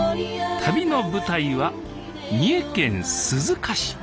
旅の舞台は三重県鈴鹿市。